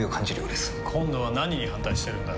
今度は何に反対してるんだ？